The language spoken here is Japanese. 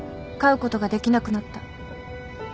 飼うことができなくなった。